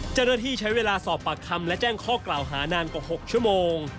เจ้าหน้าที่ใช้เวลาสอบปากคำและแจ้งข้อกล่าวหานานกว่า๖ชั่วโมง